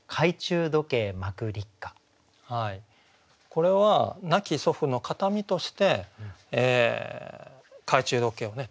これは亡き祖父の形見として懐中時計をね